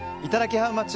ハウマッチ